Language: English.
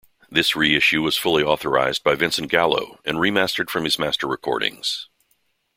This reissue was fully authorized by Vincent Gallo and remastered from his master recordings.